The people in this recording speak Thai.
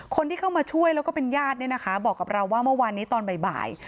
คนที่เข้ามาช่วยแล้วก็เป็นญาติเนี่ยนะคะบอกกับเราว่าเมื่อวานนี้ตอนบ่าย